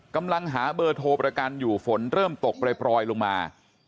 กำลังหาเบอร์โทรประกันอยู่ฝนเริ่มตกปล่อยลงมา